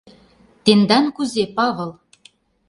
Тендан кузе, Павыл?